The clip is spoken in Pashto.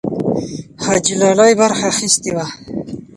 حاجي لالی برخه اخیستې وه.